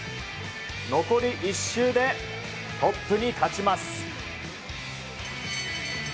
残り１周でトップに立ちます。